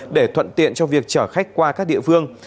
để thuận tiện cho việc chở khách qua các địa phương